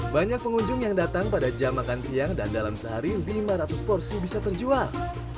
banyak pengunjung yang datang pada jam makan siang dan dalam sehari lima ratus porsi bisa terjual